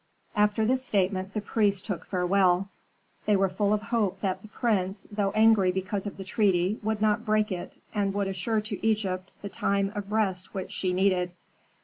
After this statement the priests took farewell. They were full of hope that the prince, though angry because of the treaty, would not break it, and would assure to Egypt the time of rest which she needed.